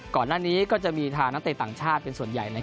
ก่อนหน้านี้ก็จะมีทางนักเตะต่างชาติเป็นส่วนใหญ่